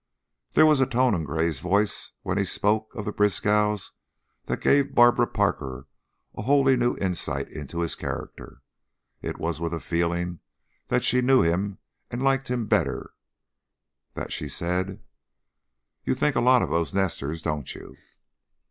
There was a tone in Gray's voice when he spoke of the Briskows that gave Barbara Parker a wholly new insight into his character; it was with a feeling that she knew him and liked him better that she said: "You think a lot of those nesters, don't you?"